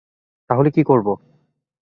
তাহলে কী করবো?